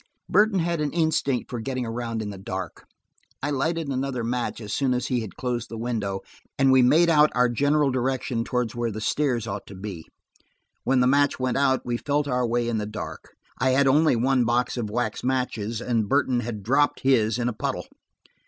Burton had an instinct for getting around in the dark. I lighted another match as soon as he had closed the window, and we made out our general direction toward where the stairs ought to be. When the match went out, we felt our way in the dark; I had only one box of wax matches, and Burton had dropped his in a puddle.